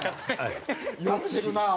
やってるなあ！